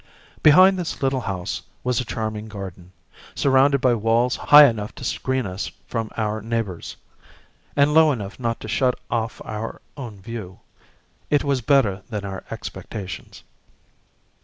Behind this little house was a charming garden, surrounded by walls high enough to screen us from our neighbours, and low enough not to shut off our own view. It was better than our expectations.